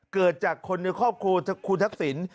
เกิดจากคนในครอบครัวคุณทักษิณ